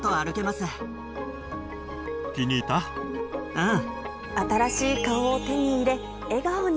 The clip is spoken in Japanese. うん。